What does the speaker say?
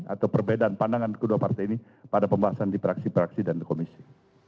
atau perbedaan pandangan kedua partai ini pada pembahasan di fraksi fraksi dan komisi